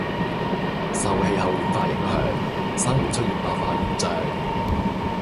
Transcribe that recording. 受氣候暖化影響珊瑚出現白化現象